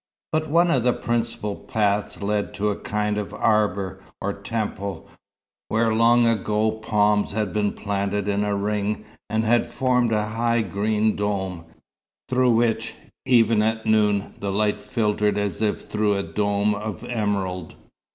But one of the principal paths led to a kind of arbour, or temple, where long ago palms had been planted in a ring, and had formed a high green dome, through which, even at noon, the light filtered as if through a dome of emerald.